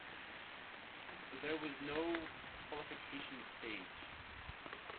There was no qualification stage.